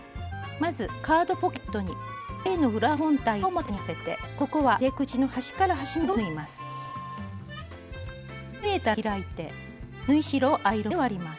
まずカードポケットにＡの裏本体を中表に合わせてここは入れ口の端から端までを縫います。